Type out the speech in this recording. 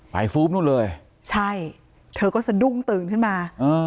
ฟู๊บนู่นเลยใช่เธอก็สะดุ้งตื่นขึ้นมา